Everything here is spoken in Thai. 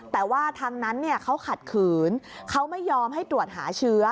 แต่ว่าทางนั้นเขาขัดขืนเขาไม่ยอมให้ตรวจหาเชื้อ